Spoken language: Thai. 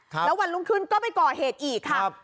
ครับแล้ววันลุงขึ้นก็ไปก่อเหตุอีกครับครับ